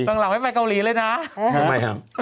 หลังไม่ไปเกาหลีเลยนะ